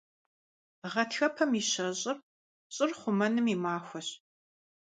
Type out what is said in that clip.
Гъэтхэпэм и щэщӏыр – щӏыр хъумэным и махуэщ.